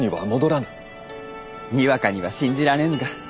にわかには信じられぬが。